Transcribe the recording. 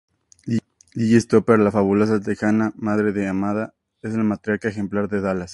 Gigi Stopper|-La fabulosa texana madre de Amada es la matriarca ejemplar de Dallas.